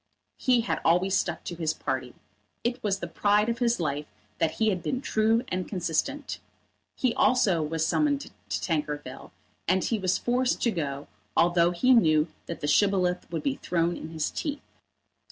He had always stuck to his party. It was the pride of his life that he had been true and consistent. He also was summoned to Tankerville, and he was forced to go, although he knew that the Shibboleth would be thrown in his teeth.